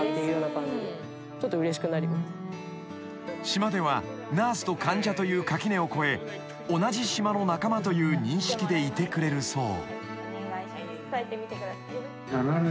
［島ではナースと患者という垣根を越え同じ島の仲間という認識でいてくれるそう］